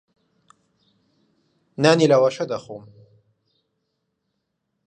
نانی لەواشە دەخۆم.